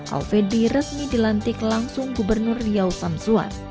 alfedri resmi dilantik langsung gubernur riau samsuar